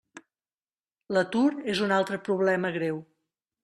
L'atur és un altre problema greu.